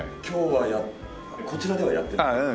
今日はこちらではやってない。